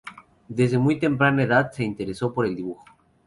Desde muy temprana edad se interesó por el dibujo.